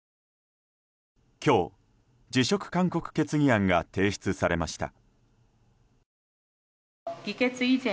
今日、辞職勧告決議案が提出されました。